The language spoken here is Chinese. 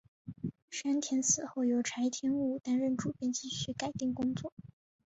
山田死后由柴田武担任主编继续改订工作。